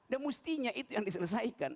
dan mustinya itu yang diselesaikan